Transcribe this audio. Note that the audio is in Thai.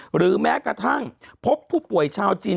หรือแม้กระทั่งพบผู้ป่วยชาวจีน